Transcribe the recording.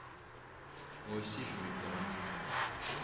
Moi aussi, je m’y perds un peu.